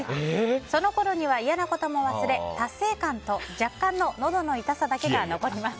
そのころには嫌なことも忘れ達成感と若干ののどの痛さだけが残ります。